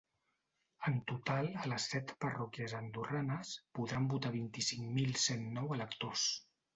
En total, a les set parròquies andorranes, podran votar vint-i-cinc mil cent nou electors.